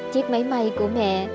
chiếc máy may của mẹ